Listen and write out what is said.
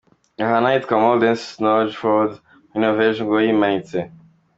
Aha ni ahitwa Molden Sognefjord muri Norvege nguwo yimanitse.